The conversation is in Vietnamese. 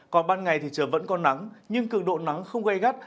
còn ban ngày thì trời vẫn có nắng nhưng cường độ nắng không gây gắt